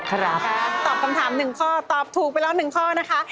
ตอบคำถาม๑ข้อตอบถูกไปแล้ว๑ข้อนะคะ